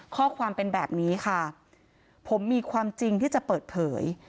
ข้อความเป็นแบบนี้ค่ะผมมีความจริงที่จะเปิดเผย